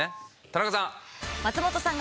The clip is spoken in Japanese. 田中さん。